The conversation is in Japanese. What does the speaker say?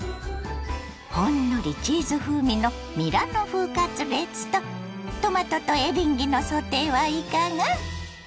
ほんのりチーズ風味のミラノ風カツレツとトマトとエリンギのソテーはいかが？